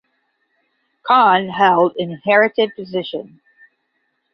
Khan held an inherited position.